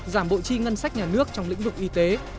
giảm bộ chi ngân sách nhà nước trong lĩnh vực y tế